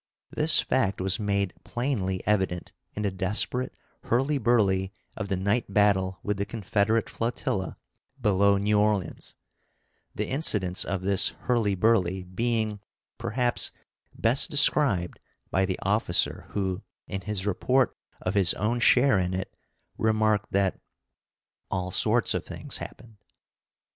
This fact was made plainly evident in the desperate hurly burly of the night battle with the Confederate flotilla below New Orleans the incidents of this hurly burly being, perhaps, best described by the officer who, in his report of his own share in it, remarked that "all sorts of things happened."